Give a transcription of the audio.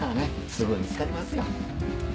すぐ見つかりますよ。